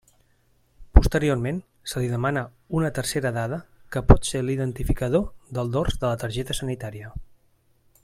Posteriorment se li demana una tercera dada que pot ser l'identificador del dors de la targeta sanitària.